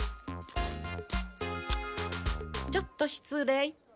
ちょっとしつ礼。